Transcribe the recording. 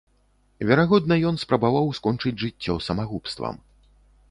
Верагодна, ён спрабаваў скончыць жыццё самагубствам.